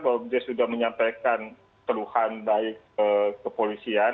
bahwa dia sudah menyampaikan perluan baik ke polisian